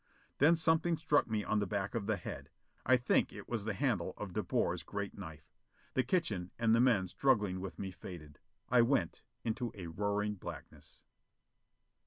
Then something struck me on the back of the head: I think it was the handle of De Boer's great knife. The kitchen and the men struggling with me faded. I went into a roaring blackness.